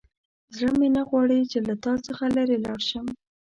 زړه مې نه غواړي چې له تا څخه لیرې لاړ شم.